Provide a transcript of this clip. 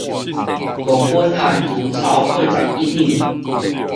五斤番薯臭八十戒兩